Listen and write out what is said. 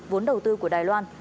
vốn đầu tư của đài loan